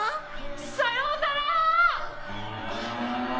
さようなら！